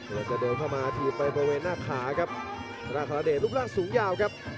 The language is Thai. แล้วจะเดินเข้ามาถีบไปบริเวณหน้าขาครับธนาคารเดชรูปร่างสูงยาวครับ